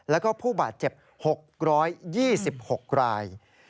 แล้วก็ผู้บาดเจ็บ๖๒๖ราย